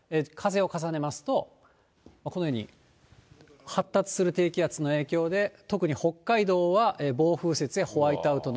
風を重ねますと、このように発達する低気圧の影響で、